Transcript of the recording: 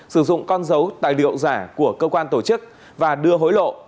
sử dụng con dấu tài liệu giả của cơ quan tổ chức và đưa hối lộ